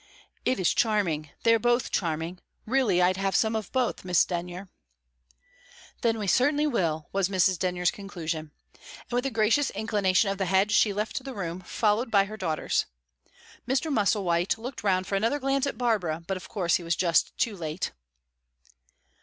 "It is charming; they are both charming. Really, I'd have some of both, Miss Denyer." "Then we certainly will," was Mrs. Denyer's conclusion; and with a gracious inclination of the head, she left the room, followed by her daughters. Mr. Musselwhite looked round for another glance at Barbara, but of course he was just too late.